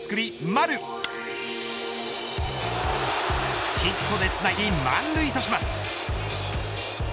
丸、ヒットでつなぎ満塁とします。